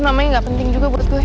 namanya gak penting juga buat saya